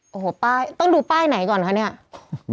โอ้โหตั้งดูเป้าไหนก่อนค่ะเนี่ย